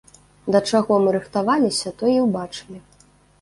Да чаго мы рыхтаваліся, то і ўбачылі.